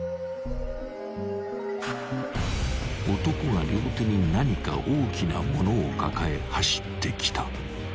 ［男が両手に何か大きな物を抱え走ってきた］